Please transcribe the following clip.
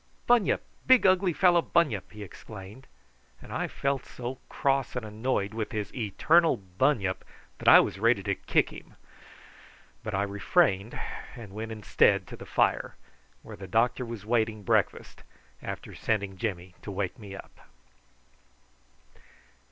"Bunyip big ugly fellow bunyip!" he exclaimed; and I felt so cross and annoyed with his eternal bunyip that I was ready to kick him; but I refrained, and went instead to the fire, where the doctor was waiting breakfast, after sending Jimmy to wake me up.